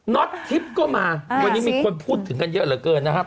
็อตทิพย์ก็มาวันนี้มีคนพูดถึงกันเยอะเหลือเกินนะครับ